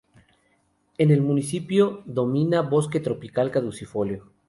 En el municipio domina el bosque tropical caducifolio.